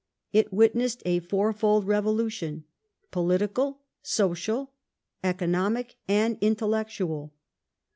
It wit nessed a fourfold revolution : Political, Social, Economic, and Intel lectual.